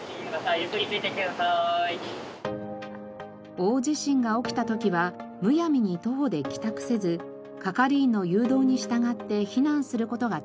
大地震が起きた時はむやみに徒歩で帰宅せず係員の誘導に従って避難する事が大切です。